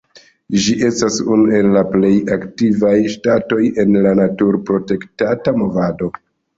Ĝi estas unu el la plej aktivaj ŝtatoj en la natur-protektada movado.